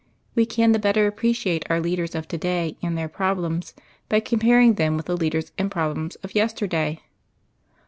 We can the better appreciate our leaders of today and their problems, by comparing them with the leaders and problems of yesterday.